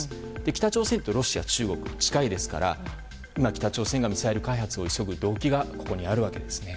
北朝鮮とロシア、中国近いですから今北朝鮮がミサイル開発を急ぐ動機がここにあるわけです。